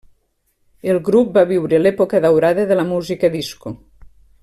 El grup va viure l'època daurada de la música disco.